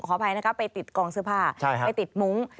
อภัยนะคะไปติดกองเสื้อผ้าไปติดมุ้ง